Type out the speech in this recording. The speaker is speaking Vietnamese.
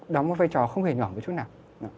đóng một vai trò không hề nhỏ với chút nào